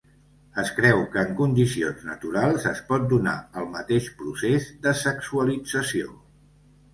Es creu que en condicions naturals es pot donar el mateix procés de sexualització.